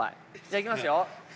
いきますよ。